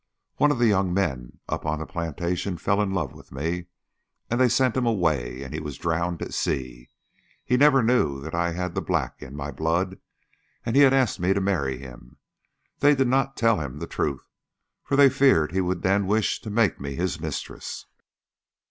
One of the young men up on the plantation fell in love with me, and they sent him away and he was drowned at sea. He never knew that I had the black in my blood, and he had asked me to marry him. They did not tell him the truth, for they feared he would then wish to make me his mistress."